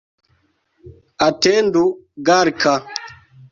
Atendu, Galka!